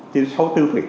thì là sáu mươi bốn tám